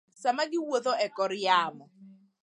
sama giwuotho e kor yamo.